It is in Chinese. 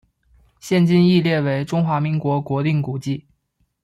现今亦列为中华民国国定古迹。